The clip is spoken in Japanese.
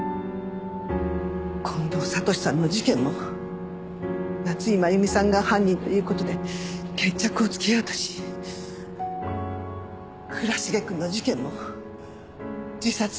近藤悟史さんの事件も夏井真弓さんが犯人という事で決着をつけようとし倉重くんの事件も自殺で幕を引こうとしてる。